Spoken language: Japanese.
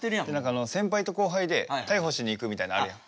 あの先輩と後輩で逮捕しに行くみたいなあるやん。